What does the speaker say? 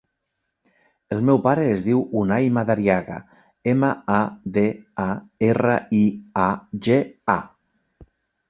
El meu pare es diu Unay Madariaga: ema, a, de, a, erra, i, a, ge, a.